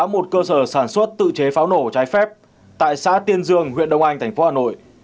một cơ sở sản xuất tự chế pháo nổ trái phép tại xã tiên dương huyện đông anh tp hà nội